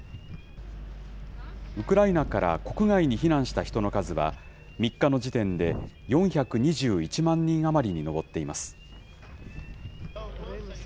ウクライナから国外に避難した人の数は、３日の時点で４２１万人余りに上っています。